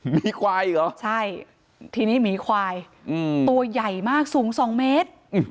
มีควายอีกเหรอใช่ทีนี้หมีควายตัวใหญ่มากสูง๒เมตร